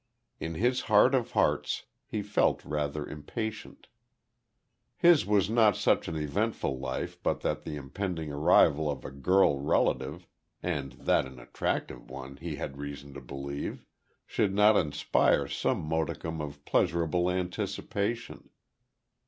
In his heart of hearts he felt rather impatient. His was not such an eventful life but that the impending arrival of a girl relative and that an attractive one, he had reason to believe should not inspire some modicum of pleasurable anticipation.